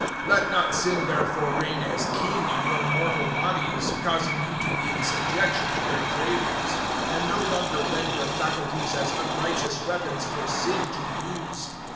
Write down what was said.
006:012 Let not Sin therefore reign as king in your mortal bodies, causing you to be in subjection to their cravings; 006:013 and no longer lend your faculties as unrighteous weapons for Sin to use.